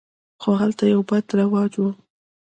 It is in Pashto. خو هلته یو بد رواج و.